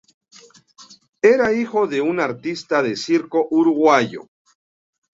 Era hijo de un artista de circo uruguayo.